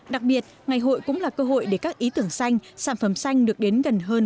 đặc biệt ngày hội cũng là cơ hội để các ý tưởng xanh sản phẩm xanh được đến gần hơn